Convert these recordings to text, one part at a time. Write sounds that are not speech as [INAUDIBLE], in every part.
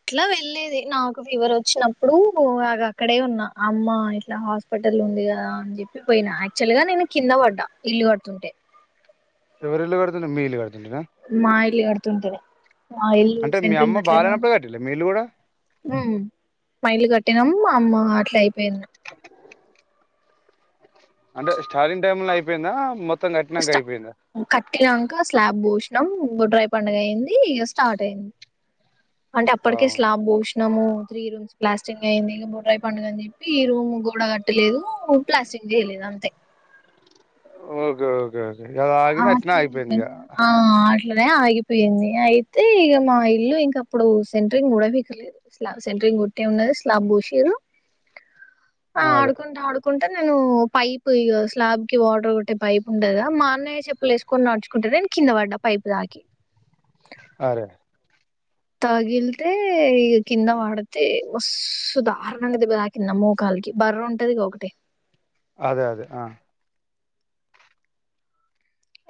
ఇట్ల వెళ్లేది నాకు ఫీవర్ వచ్చినప్పుడు అగ అక్కడే ఉన్న అమ్మ ఇట్లా హాస్పిటల్ ఉంది కదా అని చెప్పి పోయిన యాక్చువల్ గా నేను కింద పడ్డా ఇల్లు కడుతుంటే ఎవరిల్లు కడుతున్నారు మీ ఇల్లు కడు మా ఇల్లు కడుతుంటేనే మా ఇల్లు అంటే మీ సెంట్రిగ్ అమ్మ అట్లనే బాగాలేనప్పుడే కట్టిల్లా మీ ఇల్లు కూడా ఊమ్ మాఇళ్లు కట్టీనం అమ్మ అట్లా అయిపోయింది అంటే స్టార్టింగ్ టైమ్ లో అయిపోయిందా మొ స్టా కట్టినంక స్లాబ్ బూష్ నం బొడ్రాయి పండుగ అయింది ఇక స్టార్ట్ అయింది అంటే అప్పడికే కే అవును స్లాబ్ బూష్ నము త్రీ రూమ్స్ ప్లాస్టింగ్ అయింది ఇక బొడ్రాయ్ పండుగ అని చెప్పి ఈ రూమ్ గోడ కట్టలేదు ప్లాస్టింగ్ చేయలేదు అంతే ఓకే ఓకే ఓకే అది [UNINTELLIGIBLE] ఆ ఆగింది అట్నే ఆడియో అయిపోయింది ఇక అట్లానే ఆగిపోయింది. అయితే ఇక మా ఇల్లు ఇంకప్పుడు సెంట్రింగ్ కూడా ఉడాబికలేదు. స్లాబ్ సెంట్రింగ్ కొట్టే ఉన్నది. స్లాబ్ పోషిండ్రు ఆ ఆడుకుంట ఆడుకుం అ నేను పైప్ ఇగా స్లాబ్ కి వాటర్ కొట్టే పైప్ ఉంటది కదా మా అన్నయ్య చెప్పులు వేసుకొని నడుచుకుంట నేను కింద పడ్డా పైపు తాకి అరే తగిలితే ఇగా కింద వడితే మస్తు దారుణంగ దెబ్బ తాకింది ఆమ్మో మోకాలికి బర్ ఉంటది. ఒకటే అదే అదే ఆ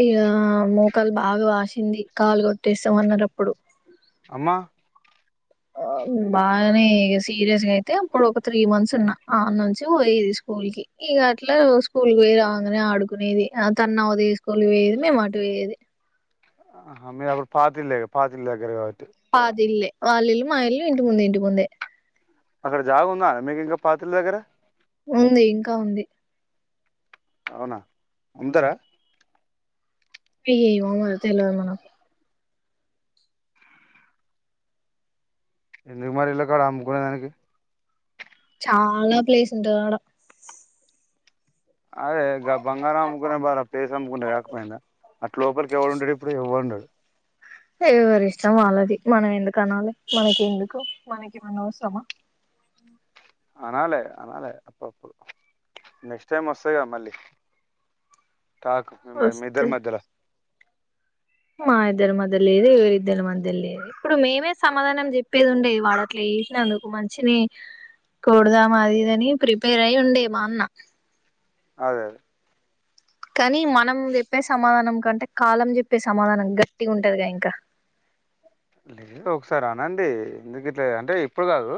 ఇగ మోకాలు బాగా వాషింది. కాలు కొట్టేస్తామన్నరు అప్పుడు అమ్మ ఆ బానే సీరియస్గా అయితే అప్పుడు ఒక త్రీ మంత్స్ ఉన్నా ఆ నుంచి పోయేది స్కూల్ కి ఇగా అట్లా స్కూల్ కి పోయి రాంగనే ఆడుకునేది. ఆ తను నవోదయ స్కూల్కి పోయేది. మేము అటు పోయేది. ఆ మీరు అప్పుడు పాతిల్ ఇల్లే కదా పాతి ఇల్లు దగ్గర కావచ్చు. పాతీల్లే వాళ్ళిల్లు మా ఇల్లు ఇంటి ముందే, ఇంటి ముందే అక్కడ జాగ ఉందానే మీకు ఇంకా పాతిల్లు దగ్గర ఉంది ఇంకా ఉంది. అవునా అముతరా ఏమో మరి తెలవది మనకు ఎందుకు మరి ఇళ్ళకడ అమ్ముకునేదానికి చాలా ప్లేస్ ఉంటది. ఆడ అదే గా బంగారం అమ్ముకునే బదలు ఆ ప్లేస్ అమ్ముకుంటే కాకపోయిందా అట్ లోపలికి ఎవడుంటడు ఇప్పుడు ఎవడుండడు ఎవరి ఇష్టం వాళ్ళది మనం ఎందుకు అనాలి. మనకి ఎందుకు మనకేమన్నా అవసరమా అనాలే అనాలే అప్పుప్పుడు నెక్స్ట్ టైమ్ వస్తది. కదా మళ్ళీ టాకు మి మీద్దరి వస్తది. మధ్యల మా ఇద్దరి మధ్య లేదు. ఎవరిద్దరి మధ్య లేదు. ఇప్పుడు మేమే సమాధానం చెప్పేదుండే వా అట్లా చేసినందుకు మంచినే కొడదాం. అది ఇదని ప్రిపేర్ అయి ఉండే మా అన్న అదే అదే కని మనం చెప్పే సమాధానం కంటే కాలం చెప్పే సమాధానం గట్టిగా ఉంటదిగా ఇంకా లేదు ఒకసారి అనండి. ఎందుకు ఇట్ల అంటే ఇప్పుడు కాదు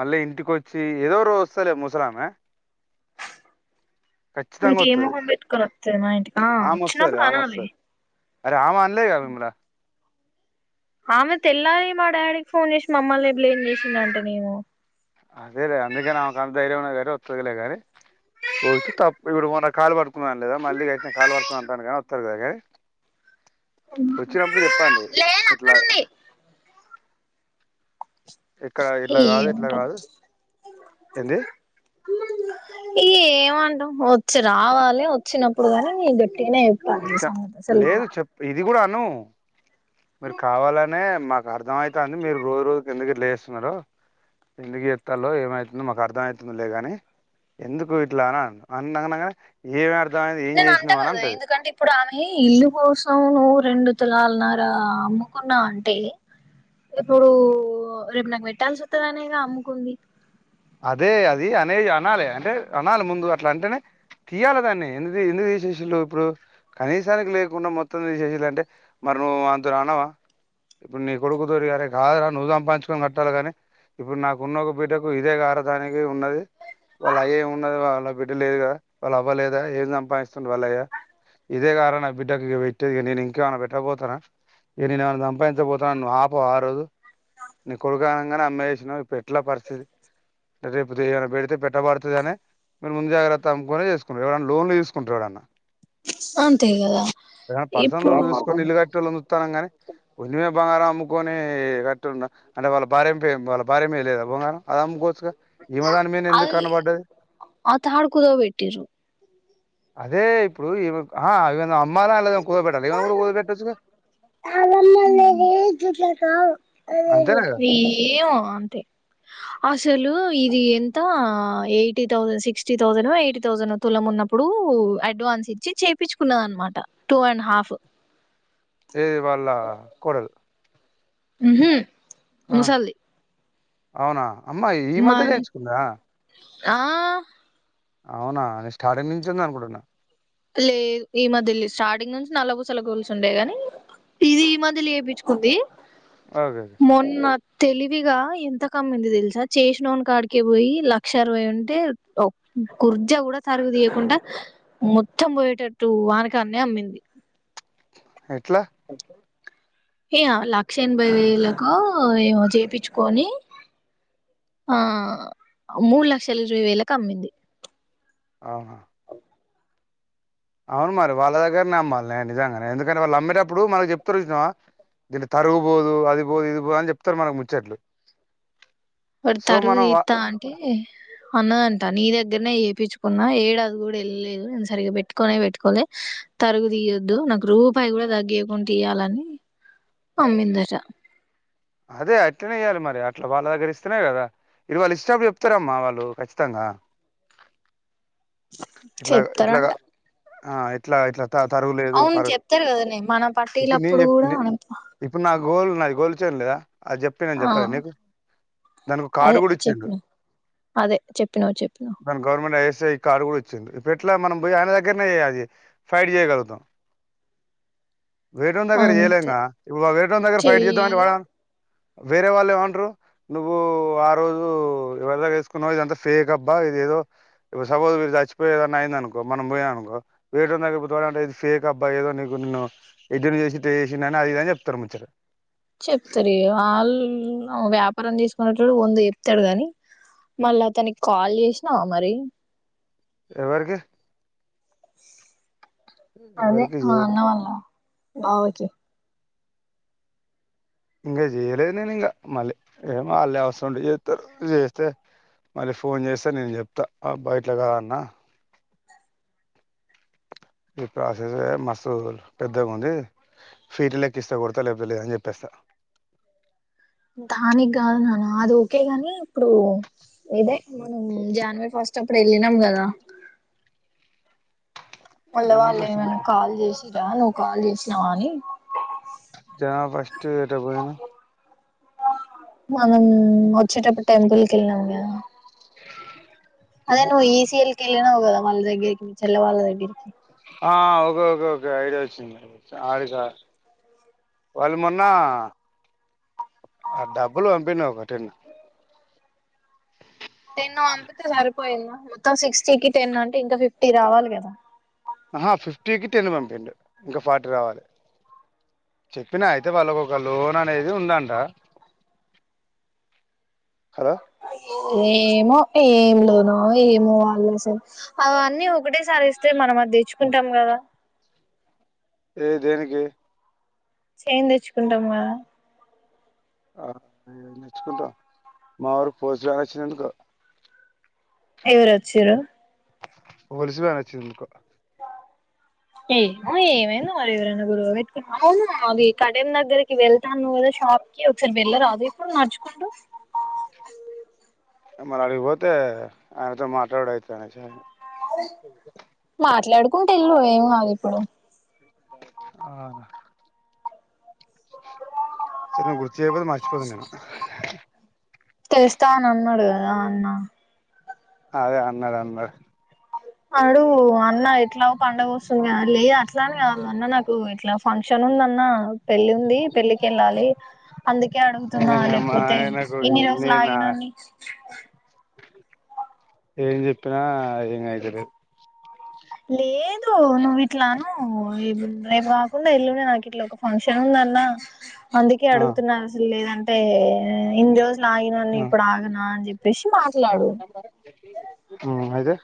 మళ్ళీ ఇంటికి వచ్చి ఏదో రోజు వస్తలే ముసలామె ఖచ్చితంగా ఇంకే వత్తది మొహం పెట్టుకొని వత్తది మా ఇంటికి ఆ వచ్చినప్పుడు అనాలి. రామ అంటే తినలే నువ్వు కూడా ఆమె తెల్లారి మా డాడీకి ఫోన్ చేసి మమ్మల్ని బ్లేమ్ చేసిందంటేదెమో అదేలే అందుకని ఆమెకి అంత ధైర్యంమున్నది. కాబట్టి ఒత్తలే కాని ఒచ్చి తప్పు ఇప్పుడు మొన్న కాలు పడుకున్నాన్ లేదా మళ్ళీ గట్నే కాలు పడుకుని అంటాను కాని వత్తలే కానీ వచ్చినప్పుడు చెప్పండి. లేదు ఇట్లాని అక్కడుంది ఇక్కడ ఇట్లా గాదు ఇట్లా ఏముంటది గాదు ఏంది. ఏవంటం వచ్చి రావాలి వచ్చినప్పుడు కానీ నీట్ ఎకు సంగద సల్దుద ను మీరు కావాలనే మాకు అర్థం అయితాంది మీరు రోజు రోజు కిందకి లే రో ఎందుకు చెత్తల్లో ఏమవుతుందో మాకు అర్థం అవుతుందిలే గాని ఎందుకు ఇట్లా అన అన్న గని ఏ నేను అంటాగద ఇందుకంటే ఇప్పుడు ఆమె ఇల్లు కోసం నువ్వు రెండు తులాలన్నర అమ్ముకున్నా అంటే ఇప్పుడు రేపు నాకు పెట్టాల్సొత్తదనేగా అమ్ముకుంది అదే అది అనేది అనాలి అంటే అనాలి ముందు అట్లా అంటేనే తీయాలి దాన్ని ఎది ఎందుది శషులు ఇప్పుడు కనీసానికి లేకుండా మొత్తం శష్యులు అంటే మరి నువ్వు అంత అనవా ఇప్పుడు నీ కొడుకు తరి గారే కాదురా నువ్వు సంపాదుకని కట్టాలి కాగానీ ఇప్పుడు నాకున్న ఒక బిడ్డకు ఇదే గార దానికి ఉన్నది వాళ్ళయ ఏమి ఉన్నది వాళ్ళ బిడ్డ లేదు కదా వాళ్ళ అవ్వలేదా ఏం సంపాదిస్తుండుర వాళ్ళయ్యా ఇదే కారా నా బిడ్డకు పెట్టేది నేను ఇంకేమనా పెట్టకబోతనా ఇ నేనుమ సంపాదించబోతున్నా నువ్ ఆపవ ఆరోజు నీ కొడుకనంగానే అమ్మాయి చేసినవ్ ఇప్పుడు ఎట్ల పరిస్థితి రేపు దైనా పెడితే పెట్టబడుతదని మీరు ముందు జాగ్రత్త అమ్ముకొనే చేసుకుంటారు ఎవడన్నా లోన్లు తీసుకుంటారు ఎవడన్నా అంతే కదా ఏదన్నా పర్స ఇప్పుడు లోన్ తీస్కొని ఇల్లు కట్టే వాళ్ళ సూత్తాన్నం గానీ కొంచమే బంగారం అమ్ముకొని కట్టుండ అంటే వాళ్ళ భార్య పేరు వాళ్ళ భార్యమీద లేదా బంగారం అమ్ గ అది అత హడు కుదోబట్టు అదే ఇప్పుడున్న అమ్మాలా లేద కూదో పెెట్టాలి ఏమనా కూడా కూద పెెట్టొచ్చు క అంతేనా కదా ఏమో అంతే అసలు ఇది ఎంత eighty thousand sixty thousand eighty thousand తుల ఉన్నప్పుడు అడ్వాన్స్ ఇచ్చి చేయిించుకున్నద అనమాట టూ అండ్ హాఫ్ ఇది వాళ్ళ కూడలు ఉహుమ్ ఆ ముసల్ధి అవునా అమ్మా ఈ మధ్య నేర్చుకుందా ఆ అవునా నేను స్టార్టింగ్ నుంచి ఉంది అనుకుంటున్నా లేదు ఈ మధ్యలి స్టార్టింగ్ నుంచి నల్ల పూసల గొలుసు ఉండే గాని ఇది ఈ మధ్యల చెప్పుకుంది. అదే తెలివిగా ఎంత కమ్మింది తెలుసా చేసి నోడి కాడికే పోయి లక్ష అరవై ఉంటే కుర్జా కూడా తరుగు తీయకుండా మొత్తం పోయేటట్టు వానకాన్నే అమ్మింది. ఎట్లా ఎ ఆ లక్ష ఎనభై వేలకో ఏమో చేపించుకొని ఆ మూడు లక్షలు ఇరవై వేలకు అమ్మింది. అహా అవును మరి వాళ్ళ దగ్గరనే అమ్మాలి నేను నిజంగానే ఎందుకంటే వాళ్ళు అమ్మేటప్పుడు మనకు చెప్తారు చూసినవా దీంట్ల తరుగు పోదు అది పోదు ఇది పోదు అని చెప్తారు మనకు ముచ్చట్లు వాడు సో తరుగు మనం వా- తీస్తా అంటే అన్న అంటా నీ దగ్గరనే చేపించుకున్న ఏడాది కూడా ఎళ్ళలేదు నేను సరిగ్గా పెట్టుకనే పెట్టుకోలే తరుగు తీయొద్దు నాకు రూపాయి కూడా తగ్గియకుండా ఇయ్యలని అమ్మిందట అదే అట్లనే ఇయ్యాలి మరి అట్లా వాళ్ళ దగ్గర ఇస్తనే కదా ఇది వాళ్ళు ఇచ్చేటప్పుడు చెప్తారమ్మా వాళ్ళు ఖచ్చితంగా ఇట్లాగా ఇట్లాగా చెప్తారంట ఆ ఎట్ల ఇట్ల అవును చెప్తారు కద నే మన ఇప్పుడు నేను పట్టీలప్పుడు చెప్ కూడా ఇప్పుడు నా గోల్ నాది గోల్డ్ చైన్ లేదా అది చెప్తే నేను ఆ చెప్పలే నీకు దానికో కార్డు అదే కూడా ఇచ్చిండు చెప్పినవ్ అదే చెప్పినవ్ చెప్పినవ్ దాని గవర్నమెంట్ ఐ ఎస్ కార్డు కూడా వచ్చింది ఇప్పుడు ఎట్ల మనం పోయి ఆయన దగ్గరనే ఫైట్ చేయగలుగుతాం. వెరేటోడు దగ్గర అంతే చేయలేంగా ఇప్పు వేరేటోడు దగ్గర ఫైట్ చేద్దామంటే చెయ్యాలే వాడే వేరే వాళ్ళు ఏమంటరు నువ్వు ఆ రోజు ఎవరి దగ్గర తీసుకున్నవో ఇదంతా ఫేక్ అబ్బా ఇది ఏదో సపోజు మీరు చచ్చిపోయి ఏదన్న అయిదనుకో మనం పోయా అనుకో వేరే టోనీ దగ్గర [UNINTELLIGIBLE] ఇది ఫేక్ అబ్బా ఏదోకు నీకు నిన్ను ఎడ్డోని చేసి ఇట చేసిండు అని అది ఇది అని చెప్తారు ముచ్చట చెప్తారు ఇగ వాళ్ళు వ్యాపారం చేసుకునేటోడు వంద చెప్తాడు గని మళ్ళ అతనికి కాల్ చేసినావా మరి ఎవరికి [INAUDIBLE] అదే ఎవరికి మా చేయలే అన్న వాళ్ళ బావకి ఇగా చేయలేదు నేను ఇగా మళ్ళీ ఏమో ఆళ్ళే అవసరం ఉంటే చేత్తరు చేస్తే మళ్ళీ ఫోన్ చేస్తే నేను చెప్తా అబ్బ ఇట్లా కాదు అన్న ఈ ప్రాసెసే మస్తు పెద్దగ ఉంది ఫీట్ లెక్క ఇస్తే కొడతా లేపోతేలేదు అని చెప్పేస్తా దానికి కాదు నాన్న అది ఓకేగని ఇప్పుడు ఇదే మనం జనవరి ఫస్ట్ అప్పుడు వెళ్ళినం కదా మాళ్ళ జనా వాళ్ళే ఫస్ట్ ఏమన్నా కాల్ చేసిరా కాల్ చేసినావా అని జనవరి ఫస్ట్ ఎటో పోయినం మనం వచ్చేటప్పుడు టెంపుల్ కేళ్ళినం కద [INAUDIBLE] అదే నువ్వు ఈ సి ఎల్ కెళ్ళినవ్ కదా వాళ్ళ దగ్గరికి మీ చెల్లె వాళ్ళ దగ్గరికి ఆ ఒకే ఒకే ఒకే ఐడియా వచ్చింది ఆడి కా వాళ్ళు మొన్న ఆ డబ్బులు పంపిండు ఒక టెన్ టెన్ పంపితే సరిపోయిందా మొత్తం సిక్స్టీకి టెన్ అంటే ఇంకా ఫిఫ్టీ రావాలి కదా ఆహా ఫిఫ్టీకిి టెన్ పంపిండు ఇంకా ఫార్టీ రావాలే చెప్పినా అయితే వాళ్ళకు ఒక లోన్ అనేది ఉందంట హలో ఏమో ఏం లోనో ఏమో వాళ్ళ అసలు అవన్నీ ఒకటేసారి ఇస్తే మనం అది తెచ్చుకుంటాం కదా ఏ దేనికి చేన్ తెచ్చుకుంటాం కదా ఆ ఏం తెచ్చుకుంటవ్ మా ఊరుకు పోలిసు వ్యాన్ వచ్చిందేందుకో ఎవరు వచిరు పోలీస్ వ్యాన్ వచ్చి ఎందుకో ఏమో ఏమైందో మరి ఎవరైనా గొడవ పెట్కు అవును అవి కడెం దగ్గరికి వెళ్తా అన్నవ్ కదా షాప్ కి ఒకసారి వెళ్ళరాదు ఇప్పుడు నడుచుకుంటూ మరి అడికిపోతే ఆయనతో మాట్లాడు అయితది అనేసి మాట్లాడుకుంట ఎల్లు ఏం ఆగి తడో అవునా సరే నే గుర్తు చేయపోతే మరిచిపోతనేను తెరుస్త అని అన్నాడు గదా అన్న అదే అన్నాడు అన్నాడు అడుగు అన్నా ఎట్లా పండగ వస్తుంది కా లే అట్లాని కావాల అన్నా నాకు ఇట్లా ఫంక్షన్ ఉంద అన్న పెళ్లిి ఉంది పెళ్ళిక్ కెళ్ళాలి అందుకే అడుగుతున్నా మా లేకపోతే ఆయనకు ఇన్ని ఎన్ని రోజులు నా ఆగినన్ని ఏం చెప్పినా ఏం అయితలేదు లేదు నువ్వు ఇట్లను రేపు రాకుండా ఎల్లుండి నాకు ఇట్లా ఒక ఫంక్షన్ ఉందన్న అందుకే ఆ అడుగుతున్నారు అసలు లేదంటే ఇన్ని రోజులు ఆగినన్ని ఆ ఇప్పుడు ఆగనా అని చెప్పేసి మాట్లాడు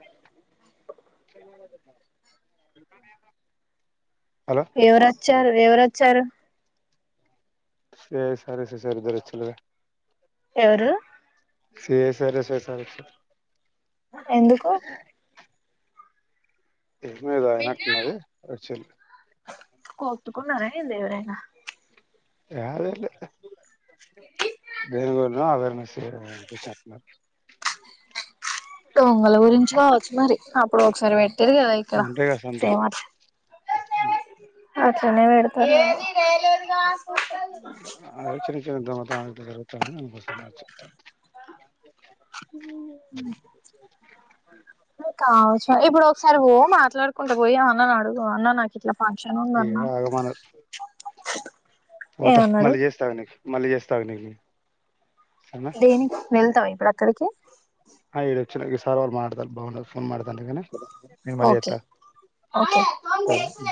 [UNINTELLIGIBLE] హలో ఎవరోచ్చారు ఎవరోచ్చారు స సర స సారిద్దరచ్చల ఎవరు స సరే స సరేచ్చ ఎందుకు ఏదా అనకున్నది చల్ కొట్టుకున్నార ఏంది ఎవరైనా యాల్ లేదు బేరుగ అవేర్నస్ సే గుష దొంగల గురించి కావచ్చు మరి అప్పుడు ఒకసారి పెట్టారు కదా ఇక్కడ ఉంటాయి కదా సంథింగ్ సేమ అ అట్లనే పెడతారు చిన్న చిన్న దొంగతనాలు జరుగుత్ అస [UNINTELLIGIBLE] కావచ్చు ఇప్పుడు ఒకసారి ఓ మాట్లాడుకుంటూ పోయి అన్నాను అడుగు అన్న నాకు ఇట్లా ఫంక్షన్ ఇగ ఉందన్న ఆగమన్నరు పోతా ఏమన్నాడు మళ్ళీ చేస్తా అగు నీకి మళ్ళీ చేస్తా అగు నీకి దేనికి వెళ్తావ ఇప్పుడు అక్ ఎక్కడికి ఆ ఇడు వచ్చినా ఈ సార్ వాల్ మాతడతారు బాగుండరు పోన్ మాటాడ్ ఓకే ఓకే సరేనా